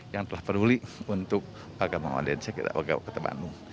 yang telah peduli untuk paket bank odet sekitar kota bandung